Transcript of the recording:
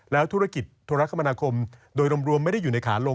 แล้วธุรกิจธุรกรรมนาคมโดยรวมไม่ได้อยู่ในขานลง